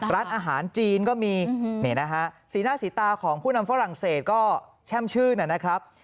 ร้านอาหารจีนก็มีนี่นะฮะสีหน้าสีตาของผู้นำฝรั่งเศสก็แช่มชื่นนะครับ